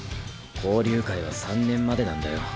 交流会は三年までなんだよ。